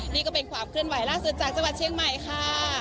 นี่ก็เป็นความเคลื่อนไหวล่าสุดจากจังหวัดเชียงใหม่ค่ะ